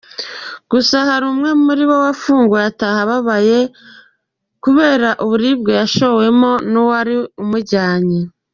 Gusa hari umwe muri bo wafunguwe ataha ababaye kubera uburibwe yashowemo n’uwari umujyanye.